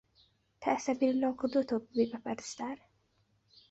تا ئێستا بیرت لەوە کردووەتەوە ببیت بە پەرستار؟